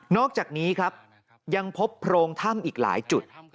อกจากนี้ครับยังพบโพรงถ้ำอีกหลายจุด